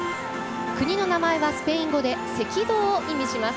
国の名前はスペイン語で赤道を意味します。